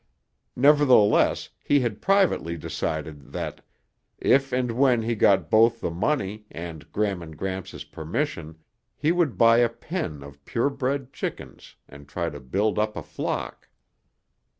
Nevertheless, he had privately decided that, if and when he got both the money and Gram and Gramps' permission, he would buy a pen of purebred chickens and try to build up a flock.